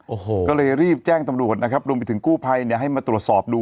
โอ้โหก็เลยรีบแจ้งตำรวจนะครับรวมไปถึงกู้ภัยเนี่ยให้มาตรวจสอบดู